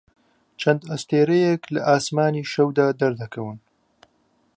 چەند ئەستێرەیەک لە ئاسمانی شەودا دەردەکەون.